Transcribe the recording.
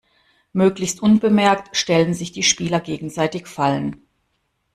Möglichst unbemerkt stellen sich die Spieler gegenseitig Fallen.